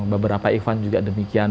beberapa ivan juga demikian